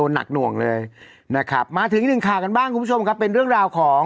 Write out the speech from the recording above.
เจอผีจริงละเดินไปช่วงนึงคฤะ